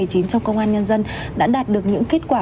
trong công an nhân dân đã đạt được những kết quả